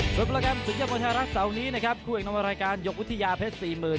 สุดยอดมวลไทยรัฐส้วนนี้นะครับคู่แห่งนำมาตรายการยกวุธิยาเพชรสี่หมื่น